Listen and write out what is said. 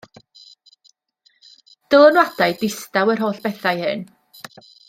Dylanwadau distaw yr holl bethau hyn.